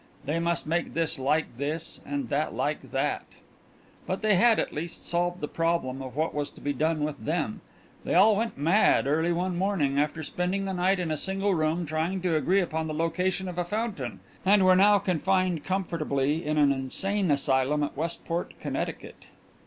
They must make this like this and that like that. But they had, at least, solved the problem of what was to be done with them they all went mad early one morning after spending the night in a single room trying to agree upon the location of a fountain, and were now confined comfortably in an insane asylum at Westport, Connecticut.